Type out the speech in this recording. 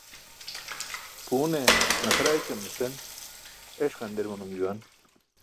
Puune naxara ećam nusen eṣ ġanḍer manum juwan.